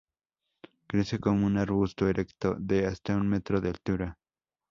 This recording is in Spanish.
Crece como un arbusto erecto de hasta un metro de altura.